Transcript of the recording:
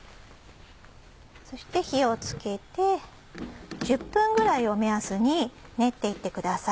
そして火を付けて１０分ぐらいを目安に練って行ってください。